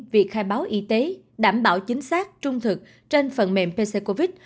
việc khai báo y tế đảm bảo chính xác trung thực trên phần mềm pc covid